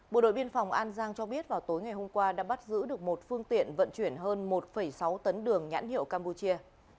bộ đội biên phòng an giang cho biết vào tối ngày hôm qua đã bắt giữ được một phương tiện vận chuyển hơn một sáu tấn đường nhãn hiệu campuchia